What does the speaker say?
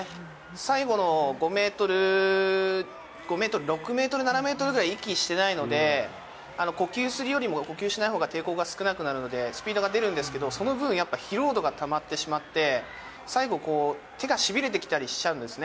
最後の５メートル、６メートル、７メートルぐらい、息してないので、呼吸するよりも呼吸しないほうが抵抗が少なくなるので、スピードが出るんですけど、その分、やっぱり疲労度がたまってしまって、最後、手がしびれてきたりするんですね。